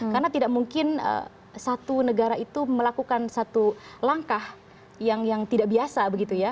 karena tidak mungkin satu negara itu melakukan satu langkah yang tidak biasa begitu ya